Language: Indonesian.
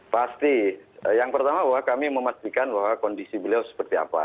pasti yang pertama bahwa kami memastikan bahwa kondisi beliau seperti apa